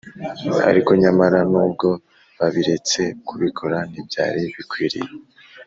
ariko nyamara nubwo babiretse kubikora ntibyari bikwiriye